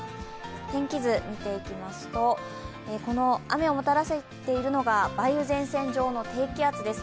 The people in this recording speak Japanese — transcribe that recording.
天気図を見ていきますと、この雨をもたらせているのが梅雨前線上の低気圧です。